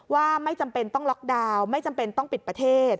ว่าไม่จำเป็นต้องล็อกดาวน์ไม่จำเป็นต้องปิดประเทศ